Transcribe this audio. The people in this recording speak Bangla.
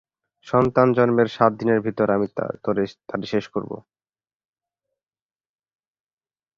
সন্তান জন্মের সাত দিনের ভিতর আমি তারে শেষ করব।